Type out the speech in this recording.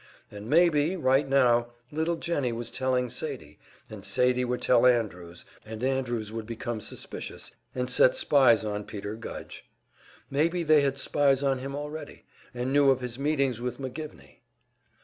And maybe, right now, little Jennie was telling Sadie; and Sadie would tell Andrews, and Andrews would become suspicious, and set spies on Peter Gudge! Maybe they had spies on him already, and knew of his meetings with McGivney!